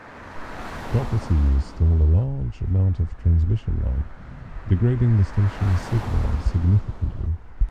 Copper thieves stole a large amount of transmission line, degrading the stations signal significantly.